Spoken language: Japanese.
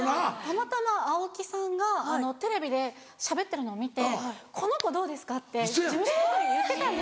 たまたま青木さんがテレビでしゃべってるのを見て「この子どうですか？」って事務所の人に言ってたんですよ。